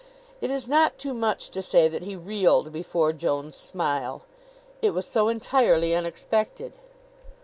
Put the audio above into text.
It is not too much to say that he reeled before Joan's smile. It was so entirely unexpected.